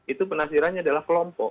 itu penastirannya adalah kelompok